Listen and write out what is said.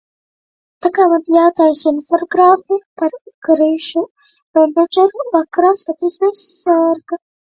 Tā kā man jātaisa infografika par krīžu menedžmentu, vakarā skatāmies "Sērga".